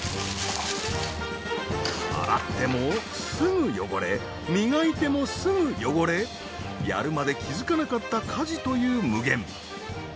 洗ってもすぐ汚れ磨いてもすぐ汚れやるまで気づかなかった家事という無限。